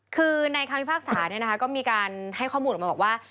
คือในคำพิพากษาก็มีการให้ข้อมูลออกมาบอกว่า